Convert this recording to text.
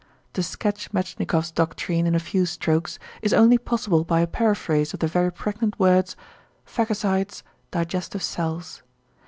To sketch Metschnikoff's doctrine in a few strokes is only possible by a paraphrase of the very pregnant words "Phagocytes, digestive cells."